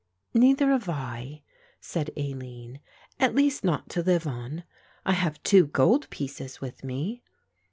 "Neither have I," said Aline, "at least not to live on. I have two gold pieces with me."